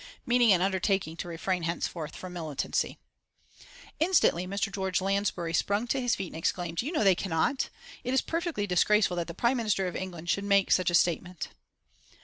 Meaning an undertaking to refrain henceforth from militancy. Instantly Mr. George Lansbury sprang to his feet and exclaimed: "You know they cannot! It is perfectly disgraceful that the Prime Minister of England should make such a statement."